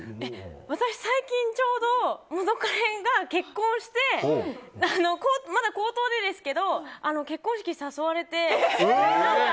私、最近、ちょうど元カレが結婚してまだ口頭でですけど結婚式に誘われて。